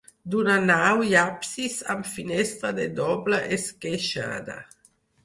D'una nau i absis amb finestra de doble esqueixada.